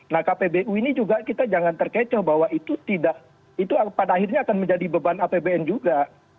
nah kpbu ini juga kita jangan terkecoh bahwa itu tidak itu pada akhirnya akan menjadi beban apbn juga